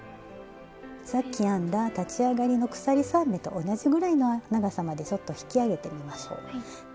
さっき編んだ立ち上がりの鎖３目と同じぐらいの長さまでちょっと引き上げてみましょう。